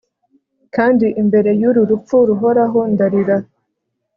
kandi imbere y'uru rupfu ruhoraho, ndarira